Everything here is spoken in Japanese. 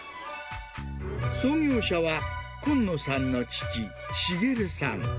創業者は、今野さんの父、茂さん。